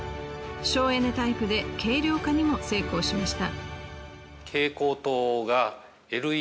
省エネタイプで軽量化にも成功しました。